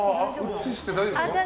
映して大丈夫ですか？